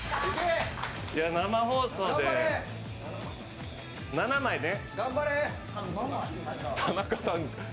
生放送で、７枚ね。